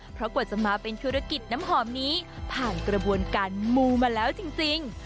เพราะกว่าจะมาเป็นธุรกิจน้ำหอมนี้ผ่านกระบวนการมูมาแล้วจริง